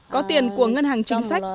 có tiền của ngân hàng chính sách